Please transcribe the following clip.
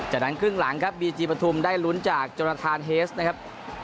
จากนั้นครึ่งหลังครับบีจีปฐุมได้ลุ้นจากจนทานเฮสนะครับ